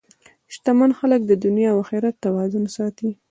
شتمن خلک د دنیا او اخرت توازن ساتي.